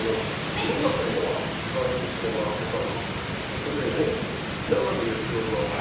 「その時にね」